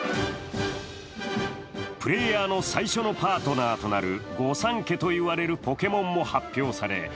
プレーヤーの最初のパートナーとなる御三家といわれるポケモンも発表され